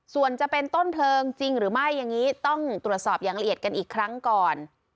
ส่วนจะเป็นต้นเพลิงจริงหรือไม่อย่างนี้ต้องตรวจสอบอย่างละเอียดกันอีกครั้งก่อน